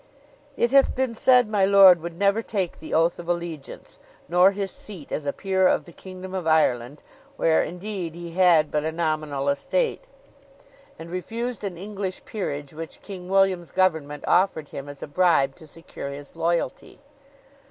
It hath been said my lord would never take the oath of allegiance, nor his seat as a peer of the kingdom of Ireland, where, indeed, he had but a nominal estate; and refused an English peerage which King William's government offered him as a bribe to secure his loyalty.